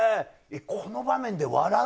この場面で笑う？